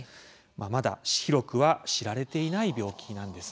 まだ広くは知られていない病気なんです。